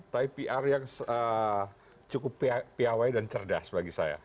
tapi pr yang cukup piawai dan cerdas bagi saya